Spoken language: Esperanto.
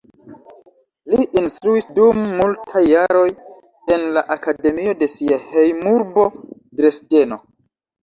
Li instruis dum multaj jaroj en la akademio de sia hejmurbo, Dresdeno.